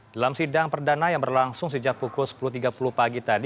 dalam sidang perdana yang berlangsung sejak pukul sepuluh tiga puluh pagi tadi